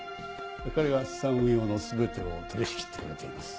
彼が資産運用の全てを取り仕切ってくれています。